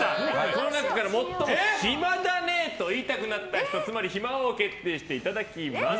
この中から最も暇だねと言いたくなった人つまり暇王を決定していただきます。